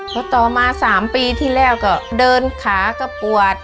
พอต่อมา๓ปีที่แล้วก็เดินขาก็ปวด